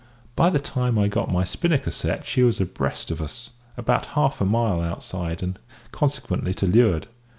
By the time I had got my spinnaker set she was abreast of us, about half a mile outside and consequently to leeward.